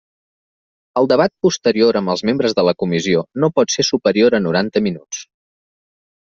El debat posterior amb els membres de la comissió no pot ser superior a noranta minuts.